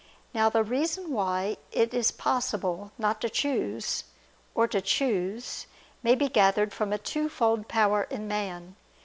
Now the reason why it is possible not to choose, or to choose, may be gathered from a twofold power in man.